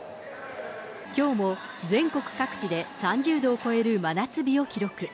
きょうも全国各地で３０度を超える真夏日を記録。